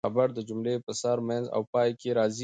خبر د جملې په سر، منځ او پای کښي راځي.